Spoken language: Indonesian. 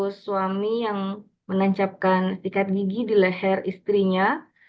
ada juga kasus suami yang menancapkan sikat gigi di leher istrinya